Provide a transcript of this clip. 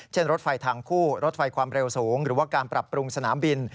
รถไฟทางคู่รถไฟความเร็วสูงหรือว่าการปรับปรุงสนามบิน